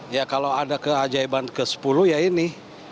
ya kalau ada keajaiban ke sepuluh ya ini